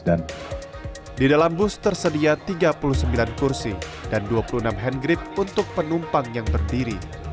di dalam bus tersedia tiga puluh sembilan kursi dan dua puluh enam hand grip untuk penumpang yang berdiri